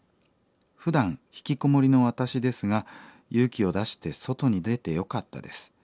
ふだんひきこもりの私ですが勇気を出して外に出てよかったです。